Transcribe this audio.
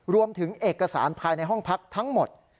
รวมถึงเอกสารภายในห้องพักทั้งหมด